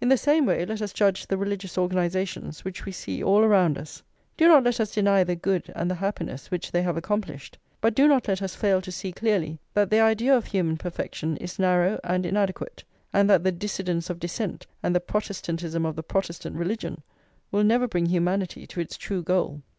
In the same way let us judge the religious organisations which we see all around us. Do not let us deny the good and the happiness which they have accomplished; but do not let us fail to see clearly that their idea of human perfection is narrow and inadequate, and that the Dissidence of Dissent and the Protestantism of the Protestant religion will never bring humanity to its true goal.